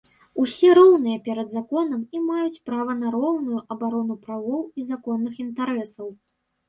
Усе роўныя перад законам і маюць права на роўную абарону правоў і законных інтарэсаў.